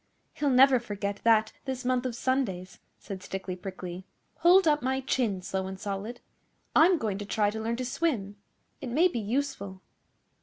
'He'll never forget that this month of Sundays,' said Stickly Prickly. 'Hold up my chin, Slow and Solid. I'm going to try to learn to swim. It may be useful.